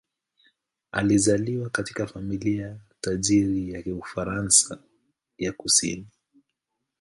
Alizaliwa katika familia tajiri ya Ufaransa ya kusini.